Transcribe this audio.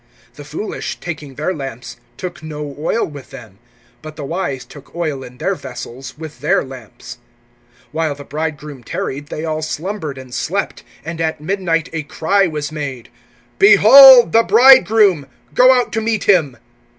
(3)The foolish, taking their lamps, took no oil with them; (4)but the wise took oil in their vessels with their lamps. (5)While the bridegroom tarried, they all slumbered and slept. (6)And at midnight a cry was made: Behold, the bridegroom! Go out to meet him.